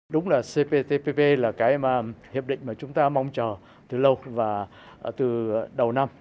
đúng là cptpp là cái mà hiệp định mà chúng ta mong chờ từ lâu và từ đầu năm